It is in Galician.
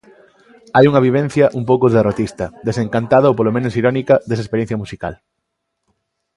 Hai unha vivencia un pouco derrotista, desencantada ou polo menos irónica, desa experiencia musical.